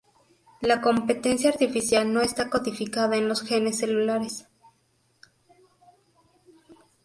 La competencia artificial no está codificada en los genes celulares.